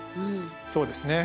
そうですね。